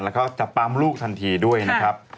แล้วก็จะปั๊มลูกทันทีด้วยนะครับ